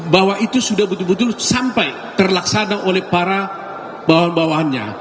bahwa itu sudah betul betul sampai terlaksana oleh para bawahan bawahannya